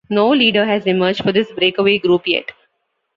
No leader has emerged for this breakaway group yet.